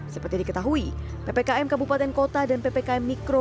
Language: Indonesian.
seperti diketahui ppkm kabupaten kota dan ppkm mikro